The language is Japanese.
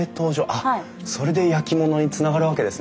あっそれで焼き物につながるわけですね。